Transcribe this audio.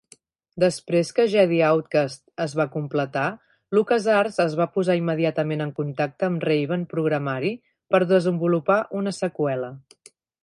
Després que "Jedi Outcast" es va completar, LucasArts es va posar immediatament en contacte amb Raven Programari per a desenvolupar una seqüela.